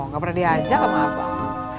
gak pernah diajak sama abang